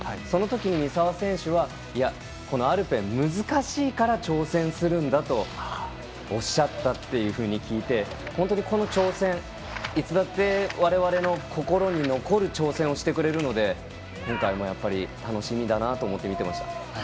そのとき三澤選手はいや、このアルペン難しいから挑戦するんだとおっしゃったというふうに聞いて、本当にこの挑戦いつだって我々の心に残る挑戦をしてくれるので、今回も楽しみだなと思って見てました。